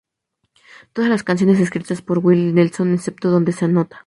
Todas las canciones escritas pot Willie Nelson excepto donde se anota.